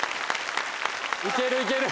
いけるいける！